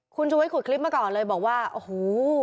คุณชุวิตขุดคลิปมาก่อนเลยบอกว่าโอ้โห